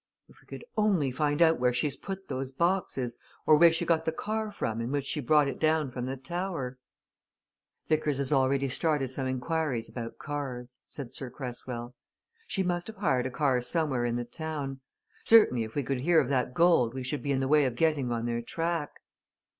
If we could only find out where she's put those boxes, or where she got the car from in which she brought it down from the tower " "Vickers has already started some inquiries about cars," said Sir Cresswell. "She must have hired a car somewhere in the town. Certainly, if we could hear of that gold we should be in the way of getting on their track."